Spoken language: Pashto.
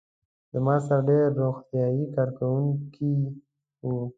زما سره ډېری روغتیايي کارکوونکي وو.